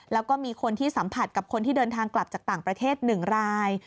แล้วก็มีคนที่สัมผัสกับคนที่เดินทางกลับจากต่างประเทศ๑ราย